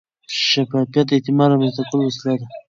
شفافیت د اعتماد رامنځته کولو وسیله ده.